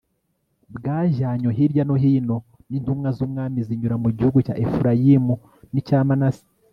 bwajyanwe hirya no hino n'intumwa z'umwami zinyura mu gihugu cya efurayimu n'icya manase